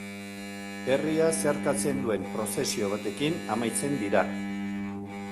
Herria zeharkatzen duen prozesio batekin amaitzen dira.